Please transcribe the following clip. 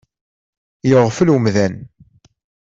Yeɣfel umdan.